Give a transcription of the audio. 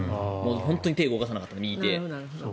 本当に手を動かさなかったので右手。